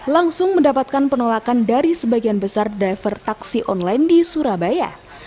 langsung mendapatkan penolakan dari sebagian besar driver taksi online di surabaya